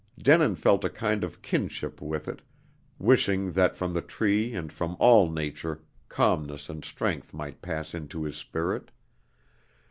Denin felt a kind of kinship with it, wishing that from the tree and from all nature calmness and strength might pass into his spirit.